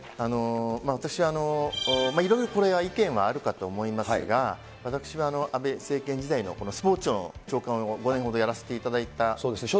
私、いろいろこれ意見はあるかと思いますが、私は安倍政権時代のスポーツ庁の長官を５年ほどやらせていただいた。